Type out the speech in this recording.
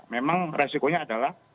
memang resikonya adalah